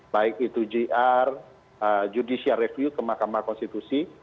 baik itu jr judicial review ke mahkamah konstitusi